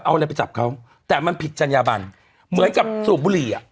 เอาอะไรไปจับเขาแต่มันผิดจัญญาบันเหมือนกับสูบบุหรี่อ่ะ